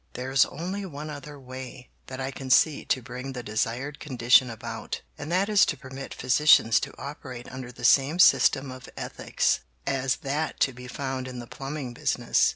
"There's only one other way that I can see to bring the desired condition about, and that is to permit physicians to operate under the same system of ethics as that to be found in the plumbing business.